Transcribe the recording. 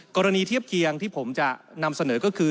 เทียบเคียงที่ผมจะนำเสนอก็คือ